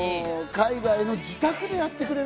海外の自宅でやってくれる。